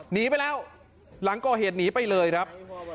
หนีไปแล้วหลังก่อเหตุหนีไปเลยครับ